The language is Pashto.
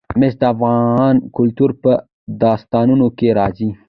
مس د افغان کلتور په داستانونو کې راځي.